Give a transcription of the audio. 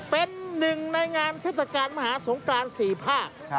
เป็นหนึ่งในงานเทศกาลมหาสงกราน๔ภาค